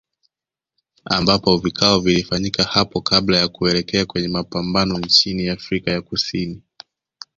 Ambapo vikao vilifanyika hapo kabla ya kuelekea kwenye mapambano nchini Afrika ya Kusini